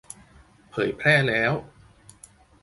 เผยแพร่แล้ว !